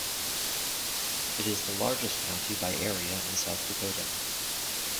It is the largest county by area in South Dakota.